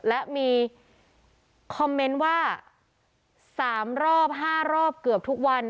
และมีคอมเมนต์ว่า๓รอบ๕รอบเกือบทุกวัน